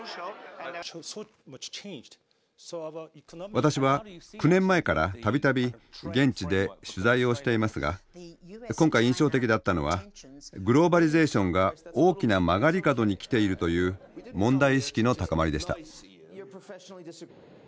私は９年前から度々現地で取材をしていますが今回印象的だったのはグローバリゼーションが大きな曲がり角に来ているという問題意識の高まりでした。